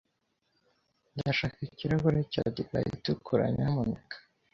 Ndashaka ikirahure cya divayi itukura, nyamuneka.